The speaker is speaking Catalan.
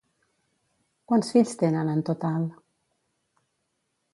Quants fills tenen en total?